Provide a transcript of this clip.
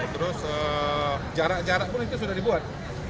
terus jarak jarak pun itu sudah dibuat